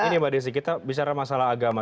ini mbak desy kita bicara masalah agama